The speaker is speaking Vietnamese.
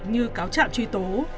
như cáo trạm truy tố